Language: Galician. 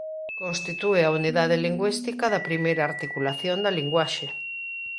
Constitúe a unidade lingüística da primeira articulación da linguaxe.